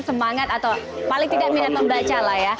semangat atau paling tidak minat membaca